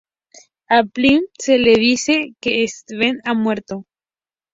A Phillip se le dice que Steven ha muerto.